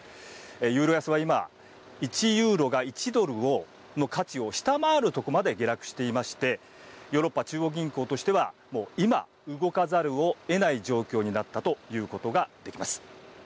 ユーロ安は今１ユーロが１ドルの価値を下回るところまで下落していましてヨーロッパ中央銀行としては今、動かざるをえない状況になったということができます。